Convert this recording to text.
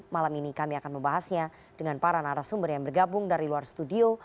malam ini kami akan membahasnya dengan para narasumber yang bergabung dari luar studio